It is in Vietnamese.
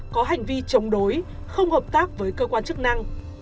có hành vi chống đối không hợp tác với cơ quan chức năng